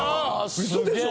ウソでしょ！？